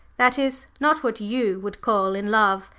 That is, not what you would call in love.